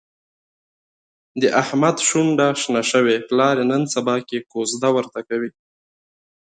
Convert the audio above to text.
د احمد شونډه شنه شوې، پلار یې نن سباکې کوزده ورته کوي.